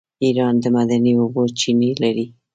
ایران د معدني اوبو چینې لري.